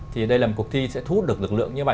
thì đây là một cuộc thi sẽ thu hút được lực lượng như vậy